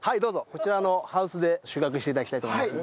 こちらのハウスで収穫して頂きたいと思います。